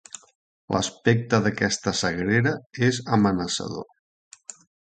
L'aspecte d'aquesta sagrera és amenaçador.